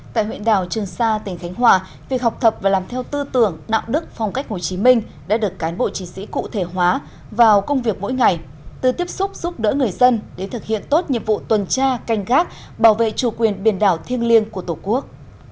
tại huyện đảo trường sa tỉnh khánh hòa việc học tập và làm theo tư tưởng đạo đức phong cách hồ chí minh đã được cán bộ chiến sĩ cụ thể hóa vào công việc mỗi ngày từ tiếp xúc giúp đỡ người dân để thực hiện tốt nhiệm vụ tuần tra canh gác bảo vệ chủ quyền biển đảo thiêng liêng của tổ quốc